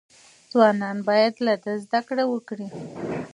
ځوانان باید له ده زده کړه وکړي.